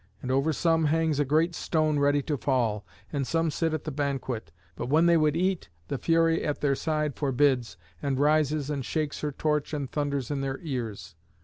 And over some hangs a great stone ready to fall; and some sit at the banquet, but when they would eat, the Fury at their side forbids, and rises and shakes her torch and thunders in their ears.